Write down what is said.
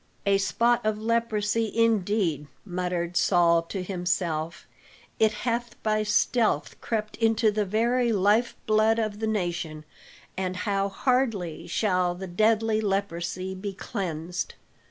"A spot of leprosy indeed," muttered Saul to himself, "it hath by stealth crept into the very life blood of the nation; and how hardly shall the deadly leprosy be cleansed."